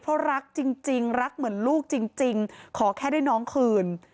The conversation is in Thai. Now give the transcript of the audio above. เพราะรักจริงรักเหมือนลูกจริงขอแค่ได้น้องคืน